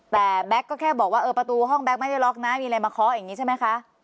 แต่แบ็คก็แค่บอกว่าเออประตูห้องแก๊กไม่ได้ล็อกนะมีอะไรมาเคาะอย่างนี้ใช่ไหมคะ